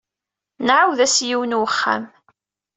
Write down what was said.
Nɛawed-as i yiwen n wexxam.